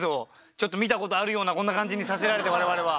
ちょっと見たことあるようなこんな感じにさせられて我々は。